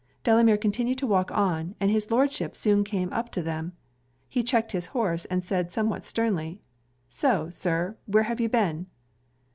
Delamere continued to walk on, and his Lordship soon came up to them. He checked his horse, and said, somewhat sternly, 'So, Sir, where have you been?'